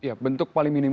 ya bentuk paling minimal